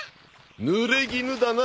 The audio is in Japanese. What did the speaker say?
ぬれぎぬだな。